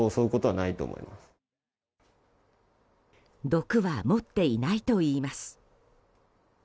毒は持っていないといいます。